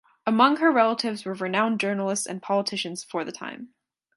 Among her relatives were renowned journalists and politicians for the time.